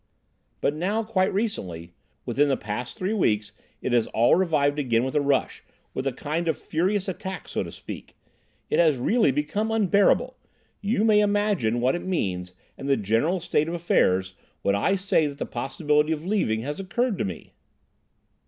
"But now, quite recently, within the past three weeks, it has all revived again with a rush—with a kind of furious attack, so to speak. It has really become unbearable. You may imagine what it means, and the general state of affairs, when I say that the possibility of leaving has occurred to me."